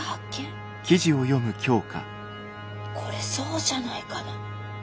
これそうじゃないかな。